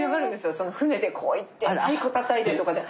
その船でこう行って太鼓たたいてとかで。